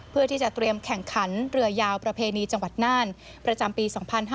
เพื่อที่จะเตรียมแข่งขันเรือยาวประเพณีจังหวัดน่านประจำปี๒๕๕๙